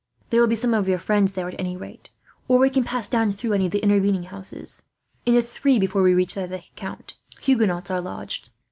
There will be some of your friends there, at any rate. Or we can pass down through any of the intervening houses. In the three before we reach that of the count Huguenots are lodged.